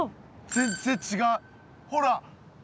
全然違うほら。